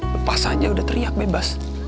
lepas aja udah teriak bebas